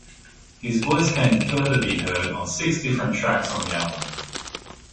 His voice can further be heard on six different tracks on the album.